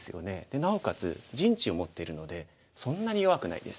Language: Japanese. なおかつ陣地を持ってるのでそんなに弱くないです。